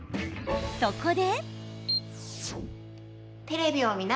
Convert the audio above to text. そこで。